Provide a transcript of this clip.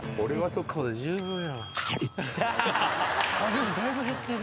でもだいぶ減ってる。